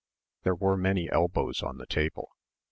There were many elbows on the table.